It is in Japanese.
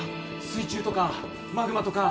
水中とかマグマとか